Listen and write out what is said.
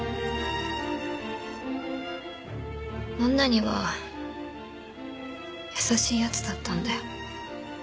女には優しい奴だったんだよ。